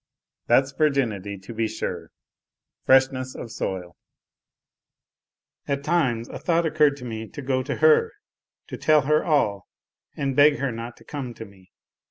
That's virginity, to be sure ! Freshness of soil ! At times a thought occurred to me, to go to her, " to tell her all," and beg her not to come to me.